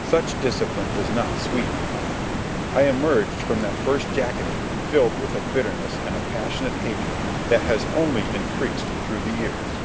Such discipline does not sweeten a man. I emerged from that first jacketing filled with a bitterness and a passionate hatred that has only increased through the years.